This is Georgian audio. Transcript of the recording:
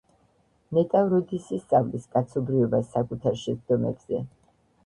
ნეტავ, როდის ისწავლის კაცობრიობა საკუთარ შეცდომებზე